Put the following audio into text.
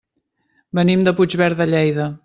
Venim de Puigverd de Lleida.